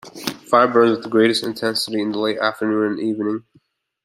Fires burn with the greatest intensity in the late afternoon and evening.